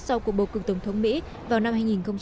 sau cuộc bầu cực tổng thống mỹ vào năm hai nghìn hai mươi